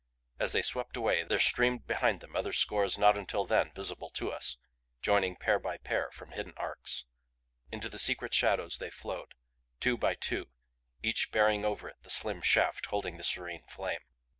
As they swept away there streamed behind them other scores not until then visible to us, joining pair by pair from hidden arcs. Into the secret shadows they flowed, two by two, each bearing over it the slim shaft holding the serene flame.